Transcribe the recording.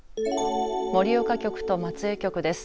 盛岡局と松江局です。